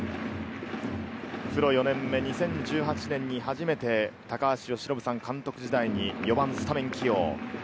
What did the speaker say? プロ４年目、２０１８年に初めて高橋由伸さん監督時代に４番スタメン起用。